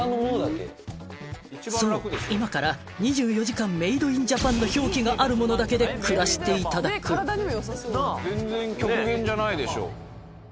そう今から２４時間メイドインジャパンの表記があるものだけで暮らしていただく一見